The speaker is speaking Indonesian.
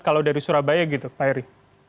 kalau dari surabaya gitu pak heri